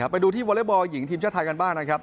ไปดูที่วอเล็กบอลหญิงทีมชาติไทยกันบ้างนะครับ